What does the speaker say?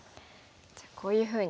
じゃあこういうふうに。